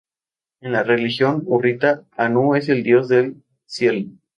En la religión hurrita, Anu es el dios del cielo.